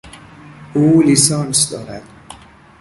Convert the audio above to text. او لیسانس دارد.